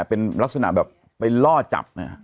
เป็นลักษณะแบบไปรอจับนะฮะ